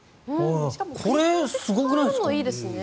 これ、すごくないですか？